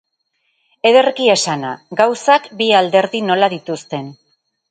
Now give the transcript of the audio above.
Ederki esana, gauzak bi alderdi nola dituzten.